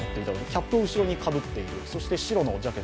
キャップを後ろにしている。